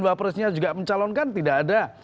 mbak presidennya juga mencalonkan tidak ada